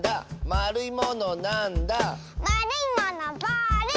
「まるいものなんだ？」